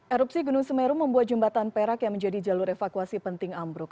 erupsi gunung semeru membuat jembatan perak yang menjadi jalur evakuasi penting ambruk